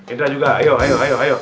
indra juga ayo